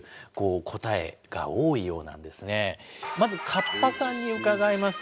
まずカッパさんに伺います。